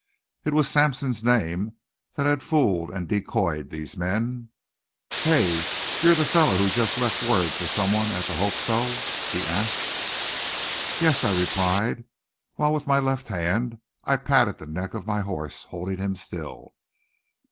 It was Sampson's name that had fooled and decoyed these men. "Hey! You're the feller who jest left word fer some one at the Hope So?" he asked. "Yes," I replied, while with my left hand I patted the neck of my horse, holding him still.